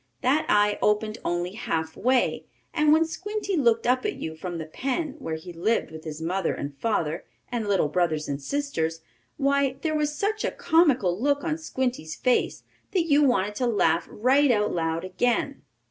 That eye opened only half way, and when Squinty looked up at you from the pen, where he lived with his mother and father and little brothers and sisters, why there was such a comical look on Squinty's face that you wanted to laugh right out loud again.